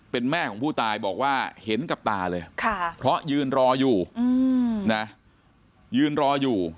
เป็นแม่ของผู้ตายบอกว่าเห็นกับตาเลยเพราะยืนรออยู่นะยืนรออยู่